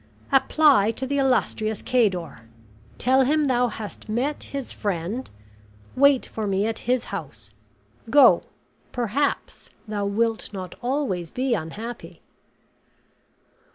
Apply to the illustrious Cador; tell him thou hast met his friend; wait for me at his house; go, perhaps thou wilt not always be unhappy.